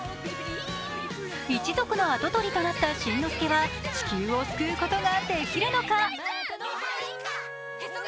一族の跡取りとなったしんのすけは地球を救うことができるのか。